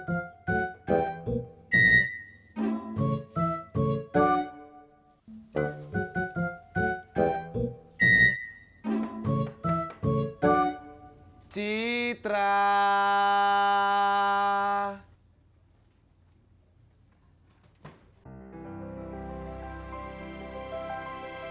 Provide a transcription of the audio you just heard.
aku mau ngasih ini buat sarapan